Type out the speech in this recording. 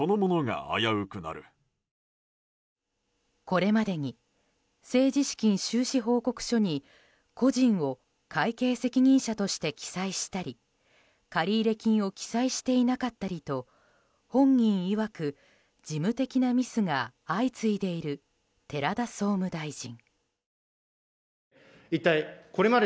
これまでに政治資金収支報告書に個人を会計責任者として記載したり借入金を記載していなかったりと本人いわく事務的なミスが相次いでいる寺田総務大臣。